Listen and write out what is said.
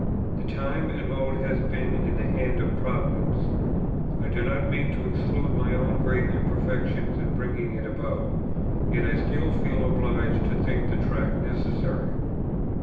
The time and mode has been in the hand of Providence; I do not mean to exclude my own great imperfections in bringing it about; yet I still feel obliged to think the Tract necessary."